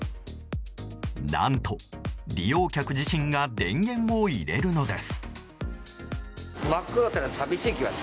何と利用客自身が電源を入れるのです。